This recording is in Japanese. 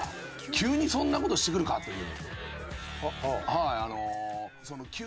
「急にそんな事してくるか」という。